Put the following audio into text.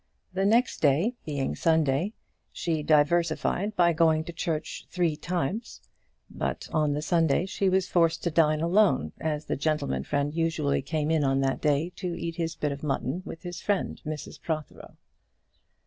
The next day, being Sunday, she diversified by going to church three times; but on the Sunday she was forced to dine alone, as the gentleman friend usually came in on that day to eat his bit of mutton with his friend, Mrs Protheroe.